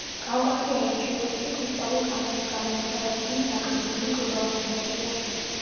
კავკასიონის ჭიუხები კრისტალურ ქანებში გამომუშავებული დაკბილული კლდოვანი მთებია.